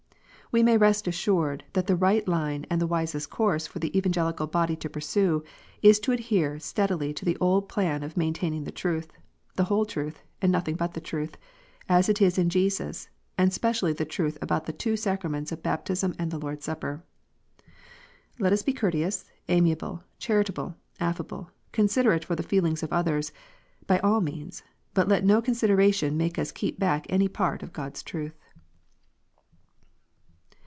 We may rest assured that the right line and the wisest course for the Evangelical body to pursue, is to adhere steadily to the old plan of maintaining the truth, the whole truth, and nothing imt the truth, as it is in Jesus, and specially the truth about the two sacraments of baptism and the Lord s Supper. Let us be courteous, amiable, charitable, affable, considerate for the feelings of others, by all means, but let no consideration make us keep back any part of God s truth.